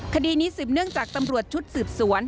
คดีนี้สืบเนื่องจากตำรวจชุดสืบสวน